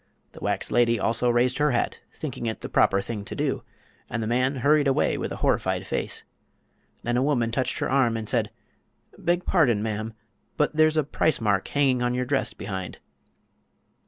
The wax lady also raised her hat, thinking it the proper thing to do, and the man hurried away with a horrified face. Then a woman touched her arm and said: "Beg pardon, ma'am; but there's a price mark hanging on your dress behind."